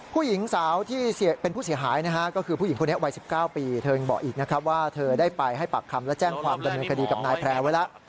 ผู้หญิงสาวที่เป็นผู้เสียหายนะฮะก็คือผู้หญิงคนนี้วัย๑๙ปีเธอยังบอกอีกนะครับว่าเธอได้ไปให้ปากคำและแจ้งความดำเนินคดีกับนายแพร่ไว้แล้ว